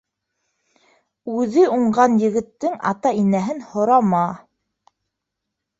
Үҙе уңған егеттең ата-инәһен һорама.